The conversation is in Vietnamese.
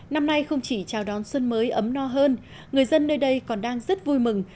năm nay không chỉ chào đón xuân mới ấm no hơn người dân nơi đây còn đang rất vui mừng